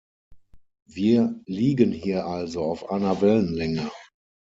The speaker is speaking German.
Wir liegen hier also auf einer Wellenlänge.